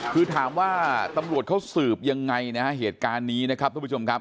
คือถามว่าตำรวจเขาสืบยังไงนะฮะเหตุการณ์นี้นะครับทุกผู้ชมครับ